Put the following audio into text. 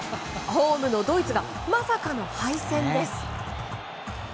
ホームのドイツがまさかの敗戦です。